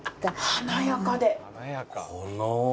華やかで。